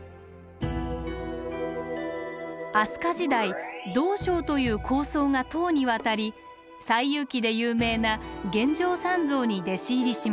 飛鳥時代道昭という高僧が唐に渡り「西遊記」で有名な玄奘三蔵に弟子入りしました。